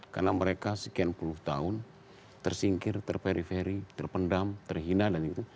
karena mereka sekian puluh tahun tersingkir terperi peri terpendam terhina dan begitu